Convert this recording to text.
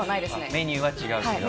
メニューは違うけど？